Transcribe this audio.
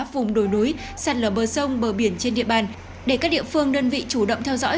vùng đồi núi sạt lở bờ sông bờ biển trên địa bàn để các địa phương đơn vị chủ động theo dõi